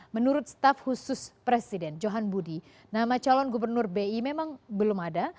menurut staf khusus presiden johan budi nama calon gubernur bi memang belum ada